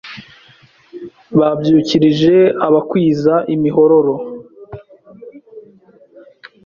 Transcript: Babyukirije abakwiza imihororo